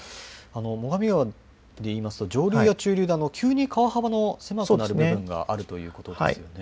最上川でいいますと上流、中流で急に川幅の狭くなる部分があるということですよね。